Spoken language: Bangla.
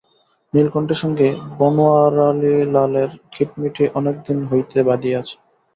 নীলকণ্ঠের সঙ্গে বনোয়ারিলালের খিটিমিটি অনেকদিন হইতে বাধিয়াছে।